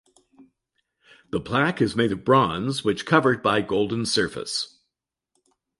The plaque is made of bronze which covered by golden surface.